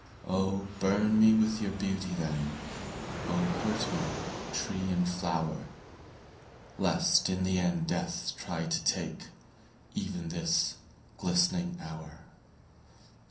Oh burn me with your beauty, then, Oh hurt me, tree and flower, Lest in the end death try to take Even this glistening hour.